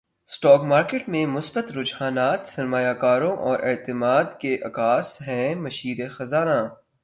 stock market میں مثبت رجحانات سرماریہ کاروں کے اعتماد کے عکاس ہیں مشیر خزانہ